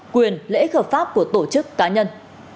quyền lễ khợp pháp của tổ chức cá nhân